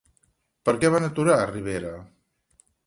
Per què van aturar a Rivera?